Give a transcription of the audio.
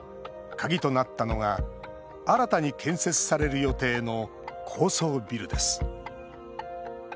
鍵となったのが新たに建設される予定の高層ビルです。